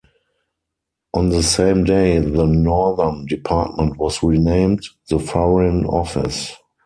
On the same day, the Northern Department was renamed the Foreign Office.